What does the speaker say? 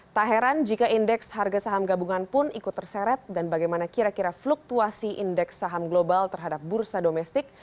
tak heran jika indeks harga saham gabungan pun ikut terseret dan bagaimana kira kira fluktuasi indeks saham global terhadap bursa domestik